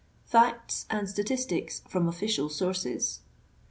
"t FACTS AND STATISTICS FROM OFFICIAL SOUBCES.